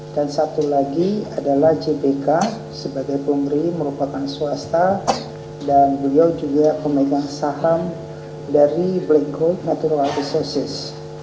dan satu lagi adalah jpk sebagai pemerintah merupakan swasta dan beliau juga pemegang saham dari black road natural resources